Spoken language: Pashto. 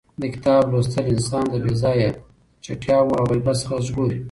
د کتاب لوستل انسان له بې ځایه چتیاو او غیبت څخه ژغوري.